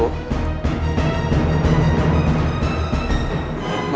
malah ngancurin gue